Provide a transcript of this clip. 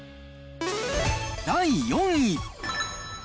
第４位。